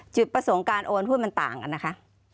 จุดประสงค์การโอนหุ้นมันต่างกันนะคะ